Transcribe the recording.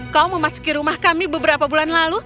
kau memasuki rumah kami beberapa bulan lalu